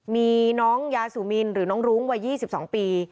มีน้องยาซูมินหรือน้องรุ้งวัย๒๒ปี